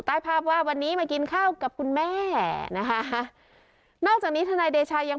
ใต้ภาพว่าวันนี้มากินข้าวกับคุณแม่นะคะนอกจากนี้ทนายเดชายัง